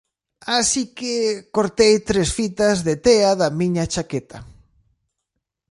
Así que... cortei tres fitas de tea da miña chaqueta.